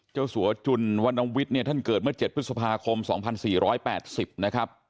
สัวจุลวรรณวิทย์เนี่ยท่านเกิดเมื่อ๗พฤษภาคม๒๔๘๐นะครับ